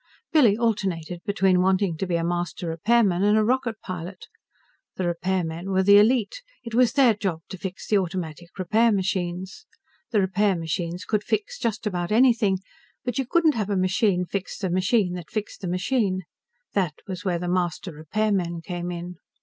Billy alternated between wanting to be a Master Repairman and a rocket pilot. The repairmen were the elite. It was their job to fix the automatic repair machines. The repair machines could fix just about anything, but you couldn't have a machine fix the machine that fixed the machine. That was where the Master Repairmen came in.